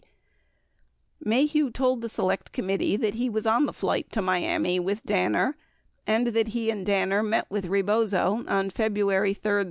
17 Maheu told the Select Committee that he was on the flight to Miami with Dan ner and that he and Danner met with Rebozo on February 3 5, 1970.